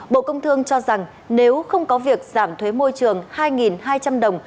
bộ công thương cho rằng nếu không có việc giảm thuế môi trường hai hai trăm linh đồng